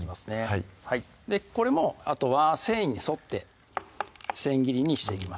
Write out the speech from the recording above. はいこれもあとは繊維に沿って千切りにしていきます